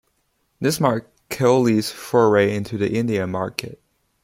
This marks Keolis's foray into the Indian Market.